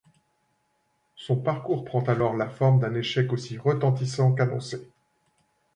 Son parcours prend alors la forme d'un échec aussi retentissant qu'annoncé.